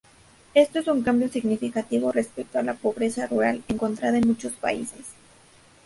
Esto es un cambio significativo respecto a la pobreza rural encontrada en muchos países.